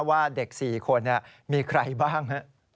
ว่าเด็ก๔คนเนี่ยมีใครบ้าง